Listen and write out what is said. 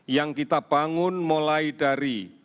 yang kita bangun mulai dari